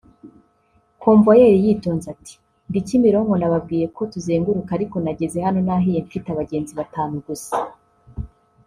Convoyeur yitonze cyane ati “ndi Kimironko nababwiye ko tuzenguruka ariko nageze hano nahiye mfite abagenzi batanu gusa